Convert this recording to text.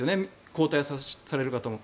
交代される方も。